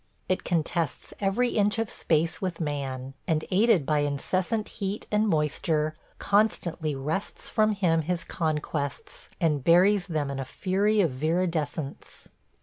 It contests every inch of space with man, and, aided by incessant heat and moisture, constantly wrests from him his conquests and buries them in a fury of viridescence.